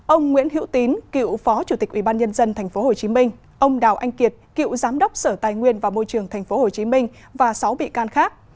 ông nguyễn hữu tín cựu phó chủ tịch ubnd tp hcm ông đào anh kiệt cựu giám đốc sở tài nguyên và môi trường tp hcm và sáu bị can khác